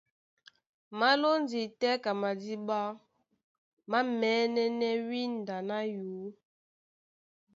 Má lóndi tɛ́ ka madíɓá, má mɛ̌nɛ́nɛ́ wínda ná yǔ.